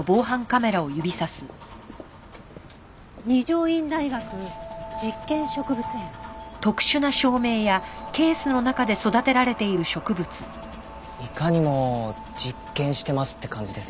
「二条院大学実験植物園」いかにも実験してますって感じですね。